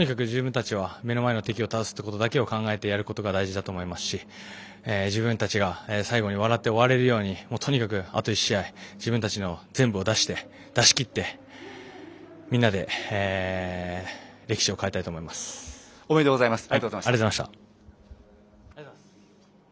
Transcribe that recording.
とにかく自分たちは目の前の敵を倒すっていうことだけを考えてやることが大事だと思いますし自分たちが最後に笑って終われるようにとにかくあと１試合自分たちの全部を出しきってみんなで歴史を変えたいと思います。